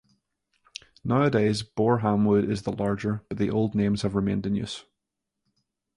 Nowadays, Borehamwood is the larger, but the old names have remained in use.